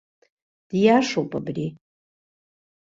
Диашоуп абри.